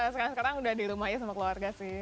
sekarang sekarang sudah di rumahnya sama keluarga sih